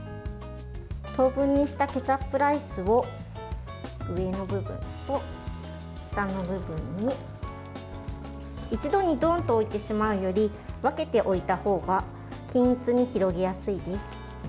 等分にしたケチャップライスを上の部分と下の部分に一度にドンと置いてしまうより分けて置いた方が均一に広げやすいです。